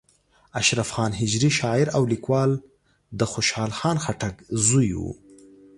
اشرف خان هجري شاعر او لیکوال د خوشحال خان خټک زوی و.